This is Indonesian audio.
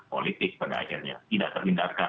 politik pada akhirnya tidak terhindarkan